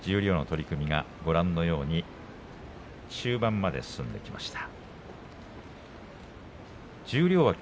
十両の取組がご覧のように中盤まで進んできました。